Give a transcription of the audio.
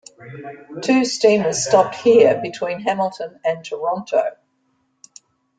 Two steamers stopped here between Hamilton and Toronto.